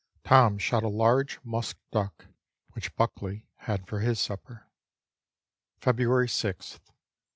Tom shot a large musk duck, which Buckley had for his supper. February 6th.